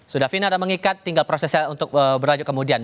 sudah final dan mengikat tinggal prosesnya untuk berlanjut kemudian